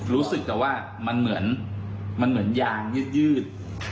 รู้สึกแต่ว่ามันเหมือนยางยืด